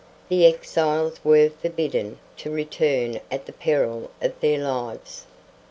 The exiles were forbidden to return at the peril of their lives.